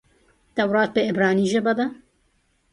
تورات په عبراني ژبه دئ.